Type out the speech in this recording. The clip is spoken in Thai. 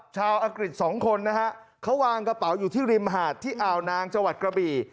ชาวอังกฤษ๒คนนะครับเขาวางกระเป๋าอยู่ที่ริมหาดที่อ่าวนางจกระบี